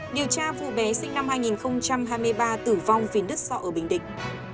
điều tra vụ bé sinh năm hai nghìn hai mươi ba tử vong vì nứt sọ ở bình định